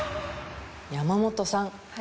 山本さん。